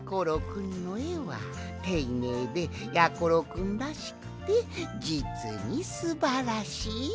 くんのえはていねいでやころくんらしくてじつにすばらしい。